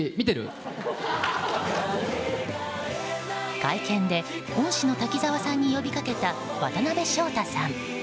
会見で恩師の滝沢さんに呼びかけた渡辺翔太さん。